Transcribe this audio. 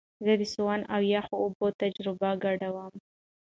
زه د سونا او یخو اوبو تجربه ګډوم.